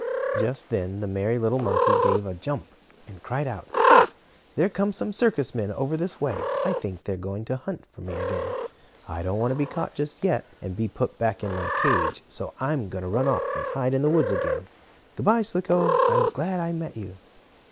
Just then the merry little monkey gave a jump, and cried out: "Ha! There come some circus men over this way. I think they are going to hunt for me again. I don't want to be caught just yet, and be put back in my cage, so I'm going to run off and hide in the woods again. Good bye, Slicko. I am glad I met you."